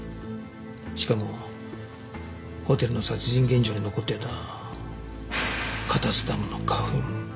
しかもホテルの殺人現場に残っていたカタセタムの花粉。